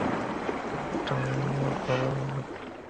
কেননা তুমিও গুরুর লোক।